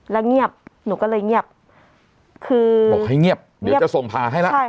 แล้วเงียบหนูก็เลยเงียบคือบอกให้เงียบเดี๋ยวจะส่งผ่าให้แล้วใช่